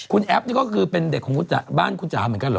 คุณแอฟนี่ก็คือเป็นเด็กของบ้านคุณจ๋าเหมือนกันเหรอ